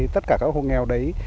tất cả các hộ nghèo đấy